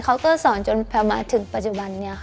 เขาก็สอนจนมาถึงปัจจุบันนี้ค่ะ